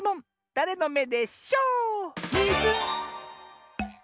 だれのめでショー⁉ミズン！